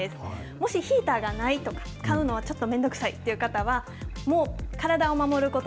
もしヒーターがないとか、買うのはちょっと面倒くさいという方は、もう体を守ること